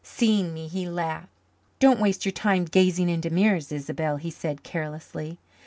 Seeing me, he laughed. "Don't waste your time gazing into mirrors, Isobel," he said carelessly.